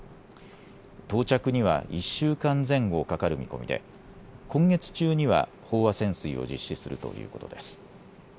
到着には１週間前後かかる見込みで今月中には飽和潜水を実施するということです。